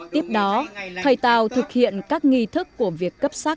tiếp đó thầy tào thực hiện các nghi thức của việc cấp sắc